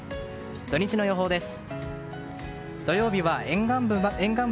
土日の予報です。